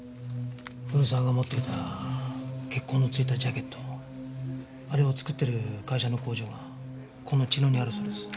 古沢が持っていた血痕の付いたジャケットあれを作ってる会社の工場がこの茅野にあるそうです。